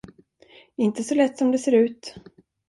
Inte så lätt som det ser ut.